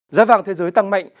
giá vàng thế giới tăng mạnh